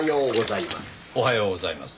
おはようございます。